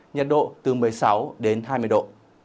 nhiệt độ từ một mươi sáu đến hai mươi độ